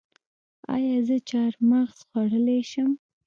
ایا زه چهارمغز خوړلی شم؟